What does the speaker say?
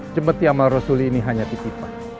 jemati amal rasul ini hanya tipik